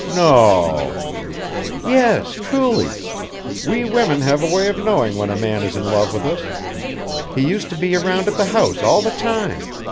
"No?" "Yes, truly! We women have a way of knowing when a man is in love with us. He used to be around at the house all the time.